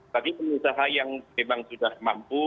bagi pengusaha yang memang sudah mampu